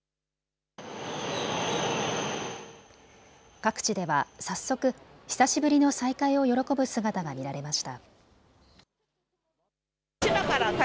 各地では早速、久しぶりの再会を喜ぶ姿が見られました。